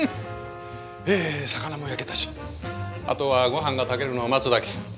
え魚も焼けたしあとはごはんが炊けるのを待つだけ。